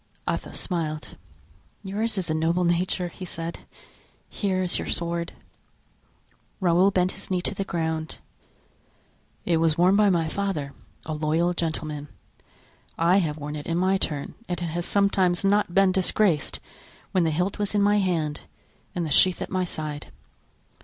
Athos smiled. "Yours is a noble nature." he said; "here is your sword." Raoul bent his knee to the ground. "It was worn by my father, a loyal gentleman. I have worn it in my turn and it has sometimes not been disgraced when the hilt was in my hand and the sheath at my side.